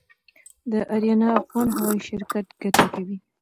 د اریانا افغان هوايي شرکت ګټه کوي؟